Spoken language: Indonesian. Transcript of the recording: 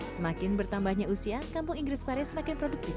semakin bertambahnya usia kampung inggris pare semakin produktif